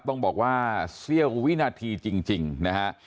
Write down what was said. ต้องบอกว่าเสี้ยววินาทีจริงนะฮะ